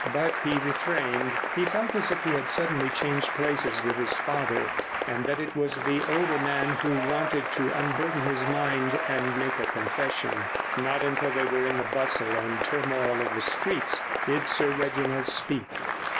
But he refrained. He felt as if he had suddenly changed places with his father, and that it was the older man who wanted to unburden his mind and make a confession. Not until they were in the bustle and turmoil of the streets did Sir Reginald speak.